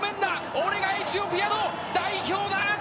俺がエチオピアの代表だ。